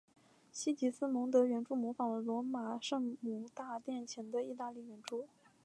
西吉斯蒙德圆柱模仿了罗马圣母大殿前的意大利圆柱。